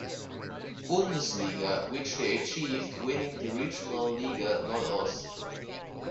Bundesliga, which they achieved, winning the Regionalliga Nordost.